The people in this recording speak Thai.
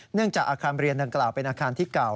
เนื่องจากอาคารเบรียนดังเกล่าเป็นอาคารที่เก่า